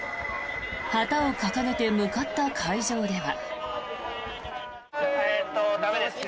旗を掲げて向かった会場では。